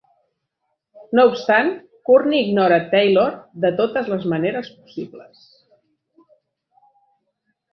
No obstant, Courtney ignora Taylor de totes les maneres possibles.